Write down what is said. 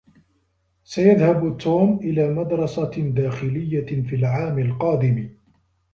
سيذهب توم إلى مدرسة داخلية في العام القادم.